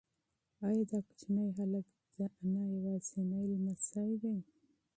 ایا دا کوچنی هلک د انا یوازینی لمسی دی؟